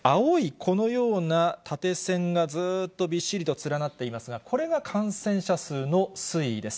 このような縦線がずっとびっしりと連なっていますが、これが感染者数の推移です。